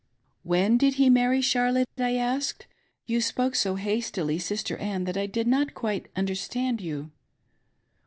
" When did he marry Charlotte V I asked. " You spoke so hastily, Sister Ann, that I did not quite understand you."